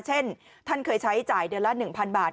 เช่นท่านเคยใช้จ่ายเดือนละ๑๐๐บาท